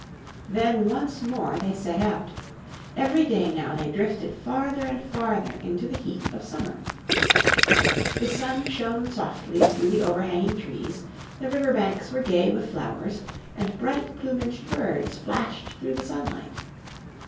Then once more they set out. Every day now they drifted farther and farther into the heat of summer. The sun shone softly through the overhanging trees, the river banks were gay with flowers, and bright plumaged birds flashed through the sunlight.